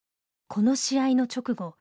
この試合の直後